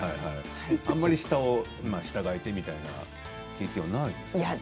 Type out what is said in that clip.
あまり下を従えてみたいな経験はないんですか？